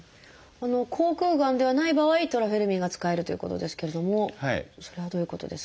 口腔がんではない場合トラフェルミンが使えるということですけれどもそれはどういうことですか？